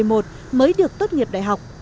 mới được tốt nghiệp đại học